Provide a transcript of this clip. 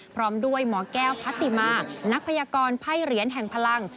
พร้อมด้วยหมอแก้วพัทติมานักพยากรไพ่เหรียญแห่งพลัง